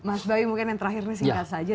mas bayu mungkin yang terakhirnya singkat saja